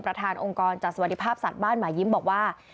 ประธานองค์กรจัดสวัสดิภาพสัตว์บ้านหมายยิ้มบอกว่า